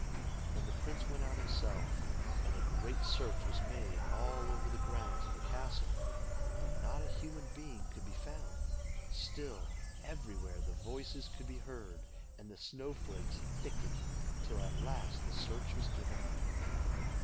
Then the prince went out himself, and a great search was made all over the grounds of the castle, but not a human being could be found. Still, everywhere the voices could be heard, and the snow flakes thickened, till at last the search was given up.